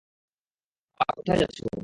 বাবা, কোথায় যাচ্ছো?